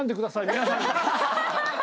皆さん。